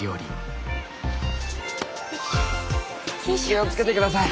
気を付けて下さい。